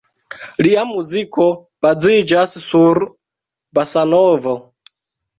Lia muziko baziĝas sur bosanovo.